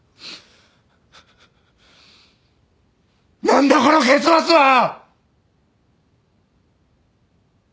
何だこの結末は！あ！